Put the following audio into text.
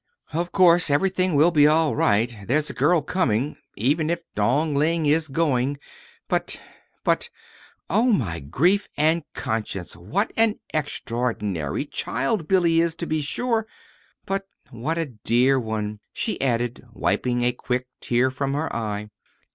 Of course everything will be all right there's a girl coming, even if Dong Ling is going. But but Oh, my grief and conscience, what an extraordinary child Billy is, to be sure but what a dear one!" she added, wiping a quick tear from her eye.